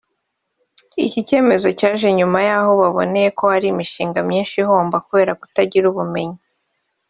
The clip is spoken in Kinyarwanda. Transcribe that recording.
Iki cyemezo cyaje nyuma y’aho baboneye ko hari imishinga myinshi ihomba kubera kutagira ubumenyi